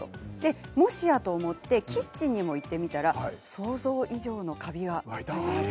もしやと思ってキッチンにも行ってみたら想像以上のカビがありました。